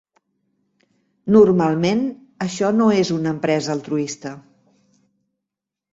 Normalment, això no és una empresa altruista.